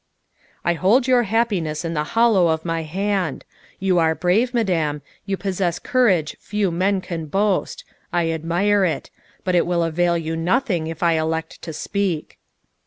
" I hold your happiness in the hollow of my hand. You are brave, Madame; you possess courage few men can boast, I admire it, but it will avail you nothing if I elect to speak."